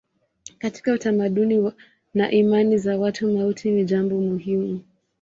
Katika utamaduni na imani za watu mauti ni jambo muhimu.